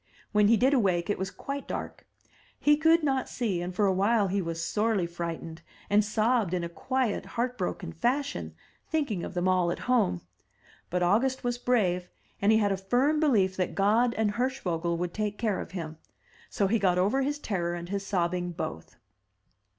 When he did awake, it was quite dark; he could not see, and for a while he was sorely frightened, and sobbed in a quiet heart broken fashion, thinking of them all at home. But August was brave, and he had a firm belief that God and Hirschvogel would take care of him. So he got over his terror and his sobbing both.